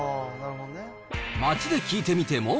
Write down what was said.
街で聞いてみても。